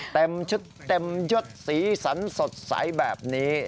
เต็มชุดเต็มยดสีสันสดใสแบบนี้